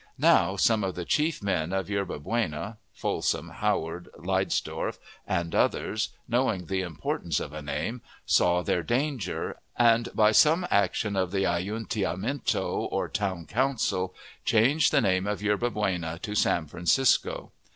Now, some of the chief men of Yerba Buena, Folsom, Howard, Leidesdorf, and others, knowing the importance of a name, saw their danger, and, by some action of the ayuntamiento, or town council, changed the name of Yerba Buena to "San Francisco."